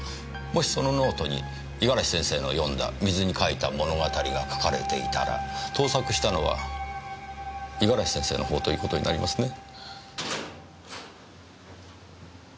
もしそのノートに五十嵐先生の詠んだ『水に書いた物語』が書かれていたら盗作したのは五十嵐先生の方ということになりますね。